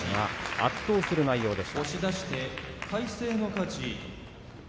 圧倒する内容でした。